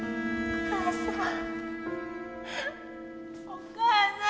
お母さん。